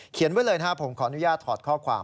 เขียนไว้เลยนะผมขออนุญาตถอดข้อความ